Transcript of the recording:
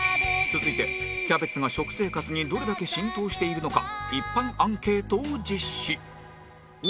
続いてキャベツが食生活にどれだけ浸透しているのか一般アンケートを実施